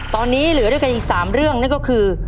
ตอนนี้เหลือด้วยกันอีก๓เรื่องนั่นก็คือ